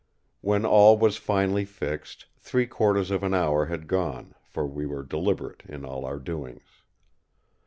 When all was finally fixed three quarters of an hour had gone, for we were deliberate in all our doings.